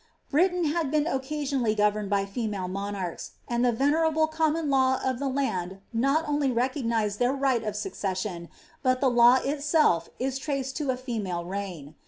Britun had been occasionally governed by female monarchs, and the venerrirfe common law of the land not only recognised their right of succession, but the law itself is traced to a female reign.'